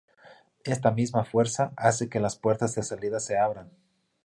Esta misma fuerza hace que las puertas de salida se abran.